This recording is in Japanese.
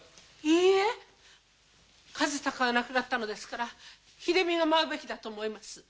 いいえ和鷹が亡くなったのですから秀美が舞うべきだと思います。